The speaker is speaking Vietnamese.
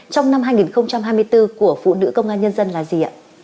trong năm hai nghìn hai mươi bốn của phụ nữ công an nhân dân là gì ạ